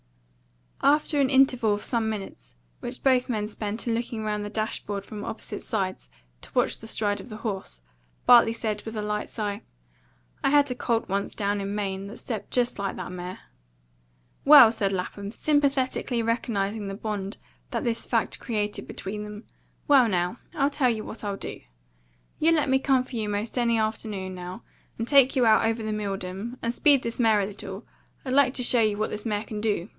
After an interval of some minutes, which both men spent in looking round the dash board from opposite sides to watch the stride of the horse, Bartley said, with a light sigh, "I had a colt once down in Maine that stepped just like that mare." "Well!" said Lapham, sympathetically recognising the bond that this fact created between them. "Well, now, I tell you what you do. You let me come for you 'most any afternoon, now, and take you out over the Milldam, and speed this mare a little. I'd like to show you what this mare can do.